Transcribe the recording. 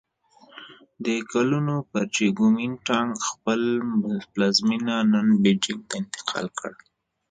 د کلونو پر چې ګومین ټانګ خپل پلازمېنه نن بیجینګ ته انتقال کړ.